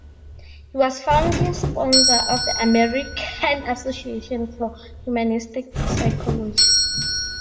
He was a founding sponsor of the American Association for Humanistic Psychology.